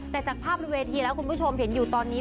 แต่จากภาพบนเวทีแล้วคุณผู้ชมเห็นอยู่ตอนนี้